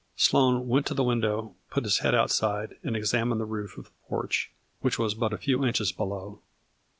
Sloane went to the window, put his head out side and examined the roof of the porch, which was but a few inches below.